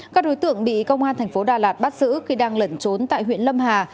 các đối tượng bị công an thành phố đà lạt bắt giữ khi đang lẩn trốn tại huyện lâm hà